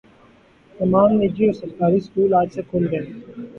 تمام نجی اور سرکاری اسکول آج سے کھل گئے